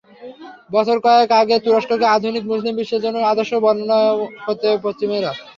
বছর কয়েক আগেও তুরস্ককে আধুনিক মুসলিম বিশ্বের জন্য আদর্শ হিসেবে বর্ণনা করত পশ্চিমারা।